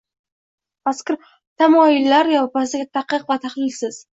Mazkur tamoyillarni yoppasiga – tadqiq va tahlilsiz